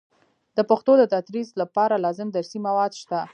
د پښتو د تدریس لپاره لازم درسي مواد نشته.